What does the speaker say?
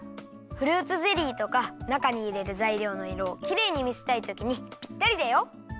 フルーツゼリーとかなかにいれるざいりょうのいろをきれいにみせたいときにぴったりだよ。